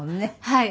はい。